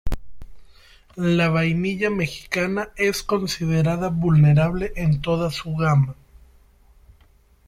La vainilla mexicana es considerada vulnerable en toda su gama.